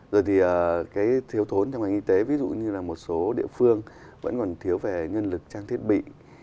rồi thì cái thiếu thốn trong ngành y tế ví dụ như là một số địa phương vẫn còn thiếu về nhân lực trang thiết bị